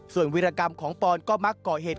ส่วนวิรกรรมของปอนก็มักก่อเหตุ